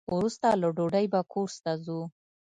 وروسته له ډوډۍ به کورس ته ځو.